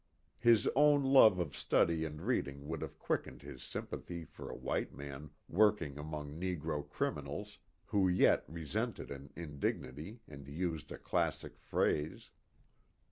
His own love of study and reading would have quickened his sympathy for a white man working among negro criminals who yet re sented an indignity and used a classic phrase.